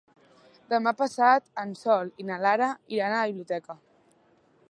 Demà passat en Sol i na Lara iran a la biblioteca.